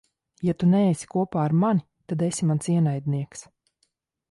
Ja tu neesi kopā ar mani, tad esi mans ienaidnieks.